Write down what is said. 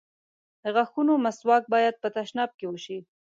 د غاښونو مسواک بايد په تشناب کې وشي.